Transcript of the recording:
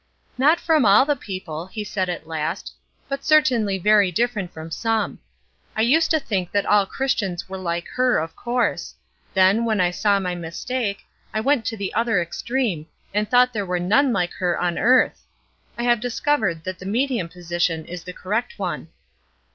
"Not from all the people," he said at last; "but certainly very different from some. I used to think that all Christians were like her, of course; then, when I saw my mistake, I went to the other extreme, and thought there were none like her on earth. I have discovered that the medium position is the correct one."